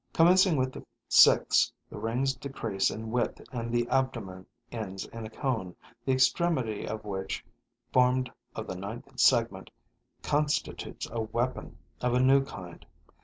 Commencing with the sixth, the rings decrease in width and the abdomen ends in a cone, the extremity of which, formed of the ninth segment, constitutes a weapon of a new kind.